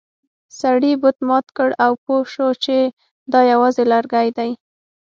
سړي بت مات کړ او پوه شو چې دا یوازې لرګی دی.